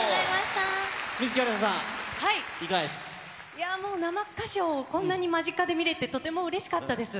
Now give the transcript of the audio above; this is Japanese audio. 観月ありささん、いかがでしもう、生歌唱、こんなに間近で見れてとてもうれしかったです。